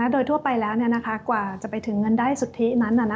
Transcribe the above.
โดยทั่วไปแล้วกว่าจะไปถึงเงินได้สุทธินั้น